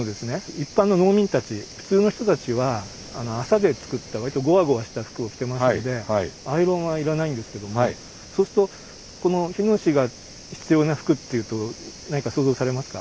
一般の農民たち普通の人たちは麻で作った割とゴワゴワした服を着てましたのでアイロンはいらないんですけどもそうするとこの火のしが必要な服っていうと何か想像されますか？